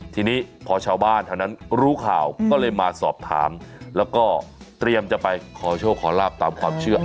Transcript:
ทีนี้พอชาวบ้านเท่านั้นรู้ข่าวก็เลยมาสอบถามแล้วก็เตรียมจะไปขอโชคขอลาบตามความเชื่อ